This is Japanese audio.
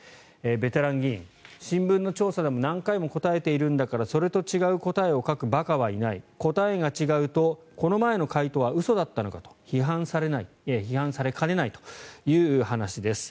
ベテラン議員、新聞の調査でも何回も答えているんだからそれと違う答えを書く馬鹿はいない答えが違うとこの前の回答は嘘だったのかと批判されかねないという話です。